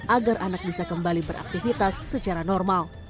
agar anak bisa kembali beraktivitas secara normal